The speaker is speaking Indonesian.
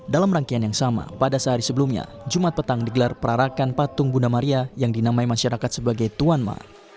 dalam rangkaian yang sama pada sehari sebelumnya jumat petang digelar perarakan patung bunda maria yang dinamai masyarakat sebagai tuan ma